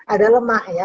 ada lemah ya